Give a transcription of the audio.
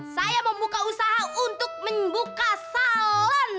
saya membuka usaha untuk membuka salon